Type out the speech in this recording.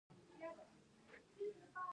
د جمعي لمونځ په هر بالغ نارينه فرض دی